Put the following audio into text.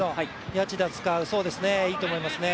谷内田使う、いいと思いますね。